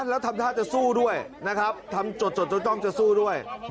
ก็ทำท่าจะสู้ด้วยนะครับทำจดจะสู้ด้วย